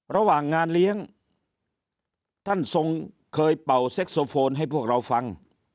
ระหว่างงานเลี้ยงท่านทรงเคยเป่าเซ็กโซโฟนให้พวกเราฟัง